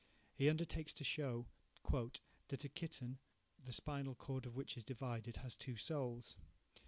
He undertakes to show "that a kitten, the spinal cord of which is divided, has two souls.